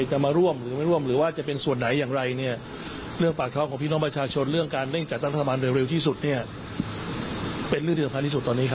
คุณผู้สื่อข่าวเมื่อเช้าก็ผู้ที่กลับมาว่าความว่าไง